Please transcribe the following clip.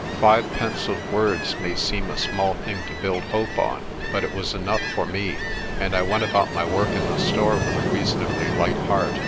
Five pencilled words may seem a small thing to build hope on, but it was enough for me, and I went about my work in the store with a rea sonably light heart.